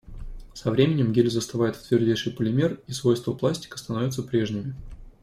Со временем гель застывает в твердейший полимер, и свойства пластика становятся прежними.